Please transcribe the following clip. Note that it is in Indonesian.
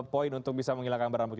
poin untuk bisa menghilangkan berambut